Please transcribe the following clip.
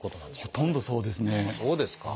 ほとんどそうですね。